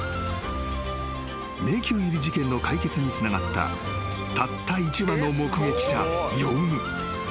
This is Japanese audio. ［迷宮入り事件の解決につながったたった一羽の目撃者ヨウム］